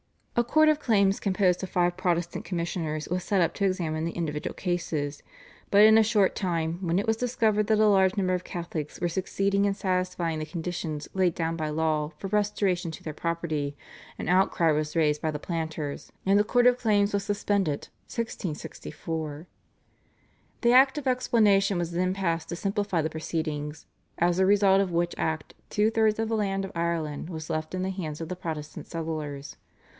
A Court of Claims composed of five Protestant Commissioners, was set up to examine the individual cases, but in a short time, when it was discovered that a large number of Catholics were succeeding in satisfying the conditions laid down by law for restoration to their property, an outcry was raised by the planters, and the Court of Claims was suspended (1664). The Act of Explanation was then passed to simplify the proceedings, as a result of which act two thirds of the land of Ireland was left in the hands of the Protestant settlers.